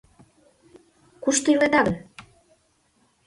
Кушто иледа гын?